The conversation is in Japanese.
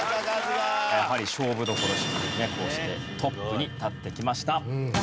やはり勝負どころしっかりねこうしてトップに立ってきました。